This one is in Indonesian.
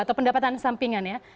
atau pendapatan sampingan ya